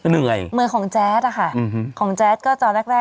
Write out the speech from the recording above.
เงยมือของแจ๊สค่ะของแจ๊สก็ใต้